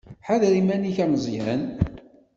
Ḥader iman-ik a Meẓyan.